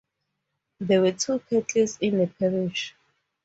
There were two castles in the parish.